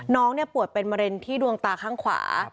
น้องเนี่ยปวดเป็นเมรนด์ที่ดวงตาข้างขวา